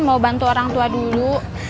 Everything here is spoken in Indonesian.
mau bantu orang tua dulu